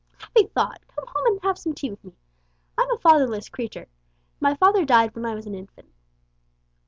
"Happy thought! Come home and have some tea with me. I'm a fatherless creature. My father died when I was an infant."